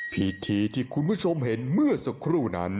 พิธีที่คุณผู้ชมเห็นเมื่อสักครู่นั้น